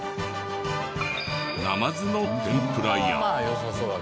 ナマズの天ぷらや。